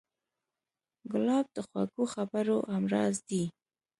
ګلاب د خوږو خبرو همراز دی.